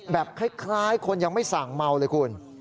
แบบคล้ายคนยังไม่สั่งเมาเลยคุณ